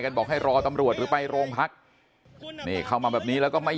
บอกให้รอตำรวจหรือไปโรงพักนี่เข้ามาแบบนี้แล้วก็ไม่